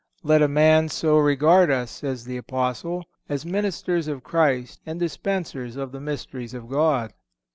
"Let a man so regard us," says the Apostle, "as ministers of Christ and dispensers of the mysteries of God."